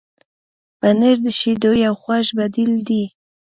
پنېر د شیدو یو خوږ بدیل دی.